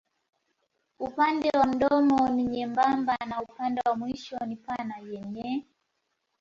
Upande wa mdomo ni nyembamba na upande wa mwisho ni pana yenye.